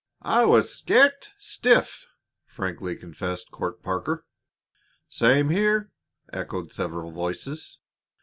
"I was scart stiff," frankly confessed Court Parker. "Same here," echoed several voices.